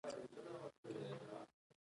د کورونو عکسونه به يې هم ورولېږم.